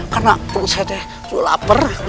karena pelut saya tuh laper